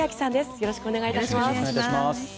よろしくお願いします。